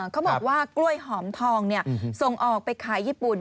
เขาบอกว่ากล้วยหอมทองส่งออกไปขายญี่ปุ่น